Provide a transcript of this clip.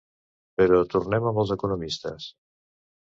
Però tornem amb els economistes.